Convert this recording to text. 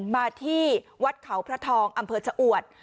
มาที่วัดเขาพระทองอำเภอชะอวด